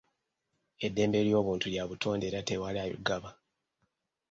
Eddembe ly'obuntu lya butonde era tewali aligaba.